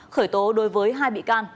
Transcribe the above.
khởi tố đối với hai bị can